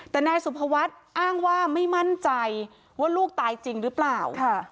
แต่นายสุภวัฒน์อ้างว่าไม่มั่นใจว่าลูกตายจริงหรือเปล่า